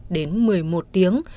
đến một mươi một tiếng